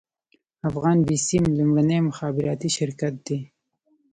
افغان بیسیم لومړنی مخابراتي شرکت دی